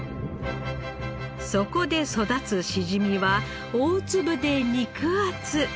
そこで育つしじみは大粒で肉厚。